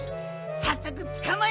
さっそくつかまえろ！